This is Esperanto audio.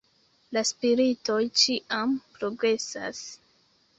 La Spiritoj ĉiam progresas.